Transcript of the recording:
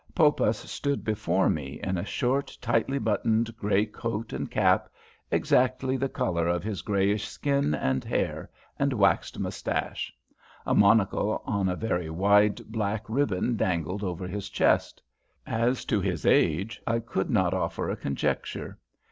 Poppas stood before me in a short, tightly buttoned grey coat and cap, exactly the colour of his greyish skin and hair and waxed moustache; a monocle on a very wide black ribbon dangled over his chest. As to his age, I could not offer a conjecture.